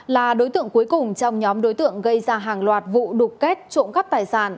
là đối tượng cuối cùng trong nhóm đối tượng gây ra hàng loạt vụ đục kết trộm cắp tài sản